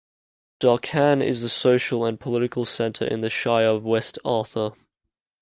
Darkan is the social and political centre in the Shire of West Arthur.